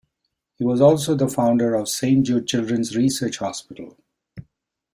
He was also the founder of Saint Jude Children's Research Hospital.